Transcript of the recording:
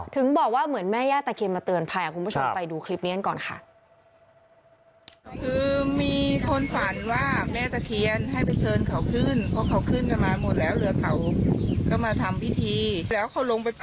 ถึงบอกว่าเหมือนแม่ญาติตะเคียนมาเตือนภัย